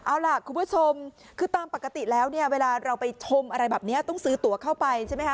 เอาล่ะคุณผู้ชมคือตามปกติแล้วเนี่ยเวลาเราไปชมอะไรแบบนี้ต้องซื้อตัวเข้าไปใช่ไหมคะ